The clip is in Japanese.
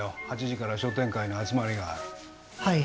８時から商店会の集まりがあるはい